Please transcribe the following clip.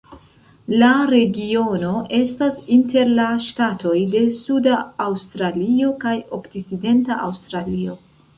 La regiono estas inter la ŝtatoj de Suda Aŭstralio kaj Okcidenta Aŭstralio.